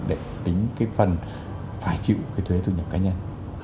để tính cái phần phải chịu cái thuế thu nhập cá nhân